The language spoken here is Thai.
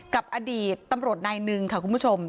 กับอดีตตำรวจนายหนึ่งค่ะคุณผู้ชม